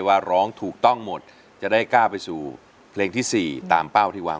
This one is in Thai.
ท่านอยู่ต่อได้นานทุน